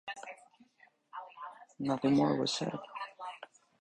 Nothing more was said.